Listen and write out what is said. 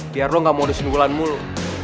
biar lo gak mau disimpulan mulu